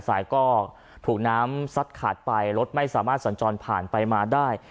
สายก็ถูกน้ำซัดขาดไปรถไม่สามารถสัญจรผ่านไปมาได้